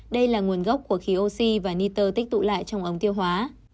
đây là nguồn gốc của khí oxy và niter tích tụ lại trong ống tiêu hóa